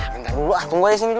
bentar dulu lah tunggu aja sini dulu